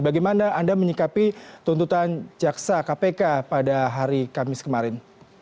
bagaimana anda menyikapi tuntutan jaksa kpk pada hari kamis kemarin